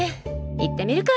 行ってみるか。